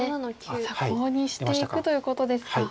コウにしていくということですか。